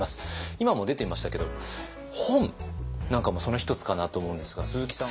今も出ていましたけど本なんかもその一つかなと思うんですが鈴木さん